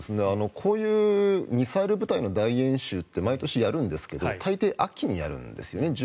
こういうミサイル部隊の大演習って毎年やるんですけど大抵、秋にやるんですよね。